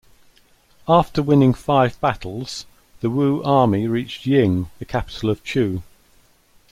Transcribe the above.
After winning five battles, the Wu army reached Ying, the capital of Chu.